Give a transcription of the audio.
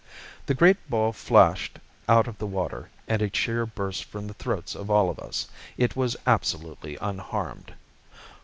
The great ball flashed out of the water, and a cheer burst from the throats of all of us. It was absolutely unharmed.